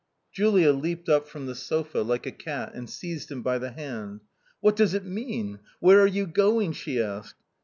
Julia leaped up from the sofa, like a cat and seized him by the hand. "What does it mean? where are you going?" she asked.